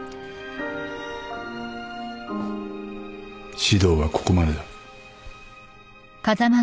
指導はここまでだ。